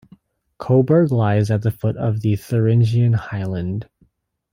Coburg lies at the foot of the Thuringian Highland.